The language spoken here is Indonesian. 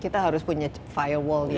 kita harus punya firewall yang ini